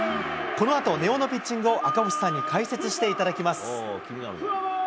このあと、根尾のピッチングを赤星さんに解説していただきます。